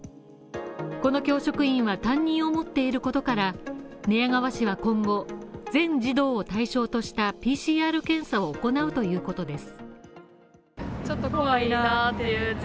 この教職員は担任を持っていることから、寝屋川市は今後、全児童を対象としたＰＣＲ検査を行うということです。